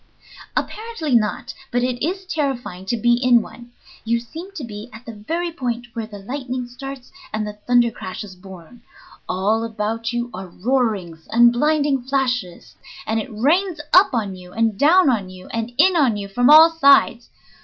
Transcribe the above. "Apparently not, but it is terrifying to be in one. You seem to be at the very point where the lightning starts and the thunder crash is born. All about you are roarings and blinding flashes, and it rains up on you and down on you, and in on you from all sides.